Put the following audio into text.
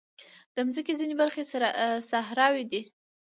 د مځکې ځینې برخې صحراوې دي.